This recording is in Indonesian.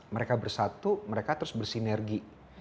mereka bersatu mereka terus bersinergi